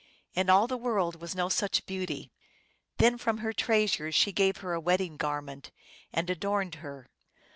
In all the world was no such beauty. Then from her treasures she gave her a wedding garment, and adorned her.